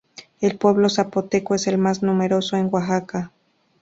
El pueblo zapoteco es el más numeroso en Oaxaca.